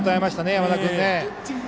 山田君。